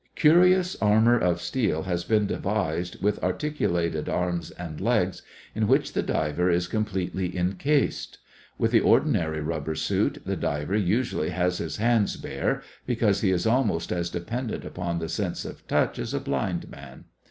Curious armor of steel has been devised, with articulated arms and legs, in which the diver is completely encased. With the ordinary rubber suit, the diver usually has his hands bare, because he is almost as dependent upon the sense of touch as a blind man.